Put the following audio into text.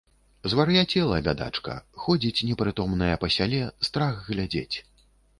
Звар'яцела, бядачка, ходзіць непрытомная па сяле, страх глядзець.